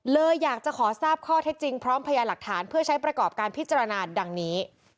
เลยอยากจะขอทราบข้อเท็จจริงพร้อมพยาหลักฐานเพื่อใช้ประกอบการพิจารณาดังนี้